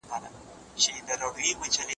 شاهد بايد يوازي د حق شاهدي ورکړي.